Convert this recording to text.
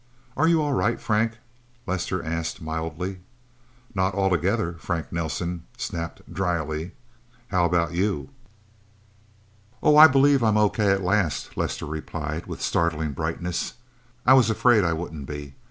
"Are you all right, Frank?" Lester asked mildly. "Not altogether!" Frank Nelsen snapped dryly. "How about you?" "Oh, I believe I'm okay at last," Lester replied with startling brightness. "I was afraid I wouldn't be.